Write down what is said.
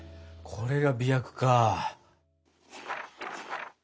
これが媚薬か。